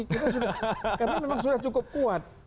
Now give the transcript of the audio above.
karena memang sudah cukup kuat